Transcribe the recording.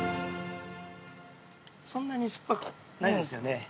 そんなに酸っぱくないですよね。